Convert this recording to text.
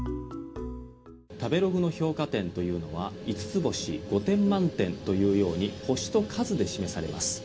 食べログの評価点というのは５つ星、５点満点というように星と数で示されます。